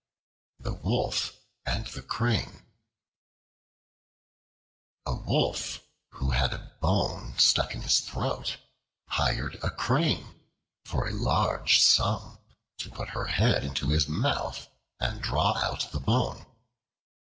The Wolf and the Crane A WOLF who had a bone stuck in his throat hired a Crane, for a large sum, to put her head into his mouth and draw out the bone.